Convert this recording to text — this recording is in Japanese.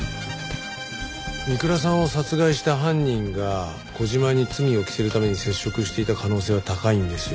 三倉さんを殺害した犯人が小島に罪を着せるために接触していた可能性は高いんですよ。